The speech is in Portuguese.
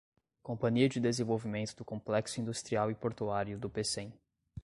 Companhia de Desenvolvimento do Complexo Industrial e Portuário do Pecém